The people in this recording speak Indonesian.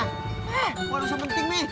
eh gue harus sepenting nih